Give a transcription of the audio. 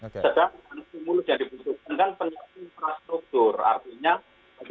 sedangkan stimulus yang dibutuhkan kan penyakit infrastruktur